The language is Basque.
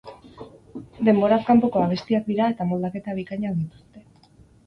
Denboraz kanpoko abestiak dira eta moldaketa bikainak dituzte.